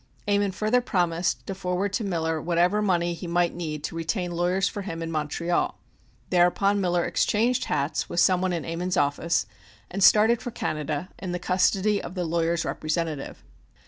Ammon further promised to forward to Miller whatever money he might need to retain lawyers for him in Montreal. Thereupon Miller exchanged hats with some one in Ammon's office and started for Canada in the custody of the lawyer's representative.